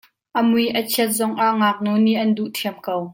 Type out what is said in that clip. A mui a chiat zongah ngaknu nih an duh ṭhiam ko.